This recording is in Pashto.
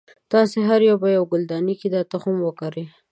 تاسې هر یو به یوه ګلدانۍ کې دا تخم وکری.